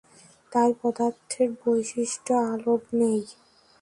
তাই পদার্থের বৈশিষ্ট্য আলোর নেই।